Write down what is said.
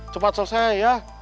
cepat selesai ya